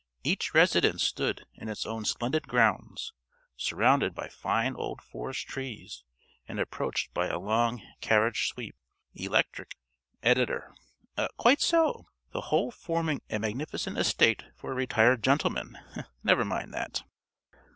Each residence stood in its own splendid grounds, surrounded by fine old forest trees and approached by a long carriage sweep. Electric (~Editor.~ _Quite so. The whole forming a magnificent estate for a retired gentleman. Never mind that.